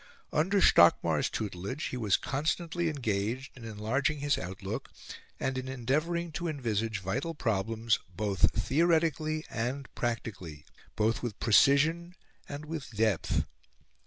Under Stockmar's tutelage he was constantly engaged in enlarging his outlook and in endeavouring to envisage vital problems both theoretically and practically both with precision and with depth.